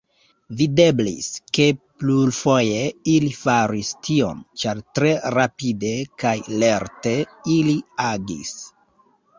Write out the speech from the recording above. Videblis, ke plurfoje ili faris tion, ĉar tre rapide kaj lerte ili agis.